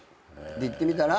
で行ってみたら。